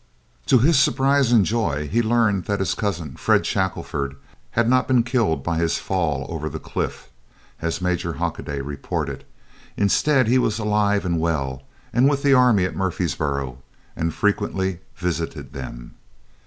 To his surprise and joy he learned that his cousin, Fred Shackelford, had not been killed by his fall over the cliff, as Major Hockoday reported. Instead he was alive and well, was with the army at Murfreesboro, and frequently visited them.